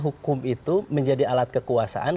hukum itu menjadi alat kekuasaan